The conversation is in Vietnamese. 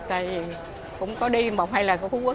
tại vì cũng có đi một hay là có khu quốc